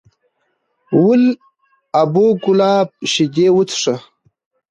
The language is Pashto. ول ابو کلاب شیدې وڅښه!